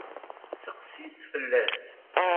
Seqsi-t fell-as.